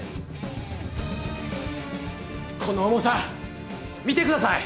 この重さ見てください！